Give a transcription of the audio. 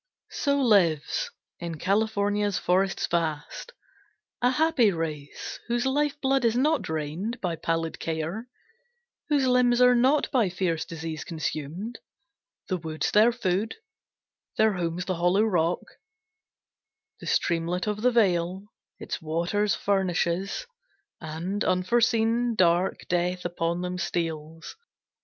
So lives, in California's forests vast, A happy race, whose life blood is not drained By pallid care, whose limbs are not by fierce Disease consumed: the woods their food, their homes The hollow rock, the streamlet of the vale Its waters furnishes, and, unforeseen, Dark death upon them steals.